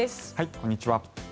こんにちは。